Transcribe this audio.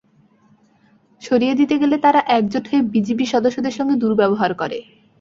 সরিয়ে দিতে গেলে তারা একজোট হয়ে বিজিবি সদস্যদের সঙ্গে দুর্ব্যবহার করে।